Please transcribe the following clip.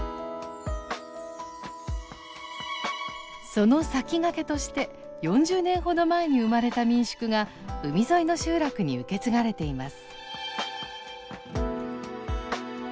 その先駆けとして４０年ほど前に生まれた民宿が海沿いの集落に受け継がれています。